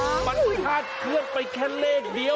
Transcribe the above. โอ้ต่างมันพาขึ้นไปแค่เลขเดียว